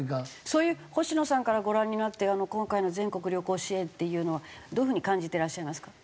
そういう星野さんからご覧になって今回の全国旅行支援っていうのはどういう風に感じていらっしゃいますか？